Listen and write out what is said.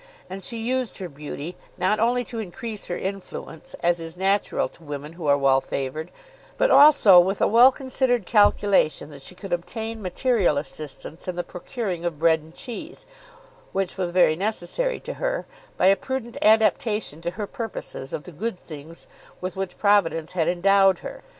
And she used her beauty not only to increase her influence, as is natural to women who are well favoured, but also with a well considered calculation that she could obtain material assistance in the procuring of bread and cheese, which was very necessary to her, by a prudent adaptation to her purposes of the good things with which providence had endowed her.